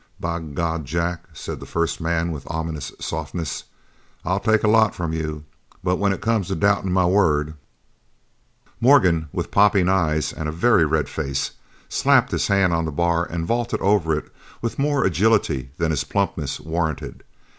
"By God, Jack," said the first man with ominous softness, "I'll take a lot from you but when it comes to doubtin' my word " Morgan, with popping eyes and a very red face, slapped his hand on the bar and vaulted over it with more agility than his plumpness warranted.